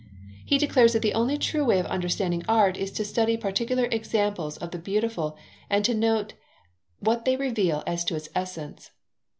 He declares that the only true way of understanding art is to study particular examples of the beautiful and to note what they reveal as to its essence.